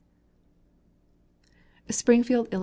] SPRINGFIELD, ILLS.